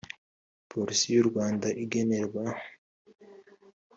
polisi y u rwanda igenerwa